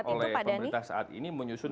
oleh pemerintah saat ini menyusun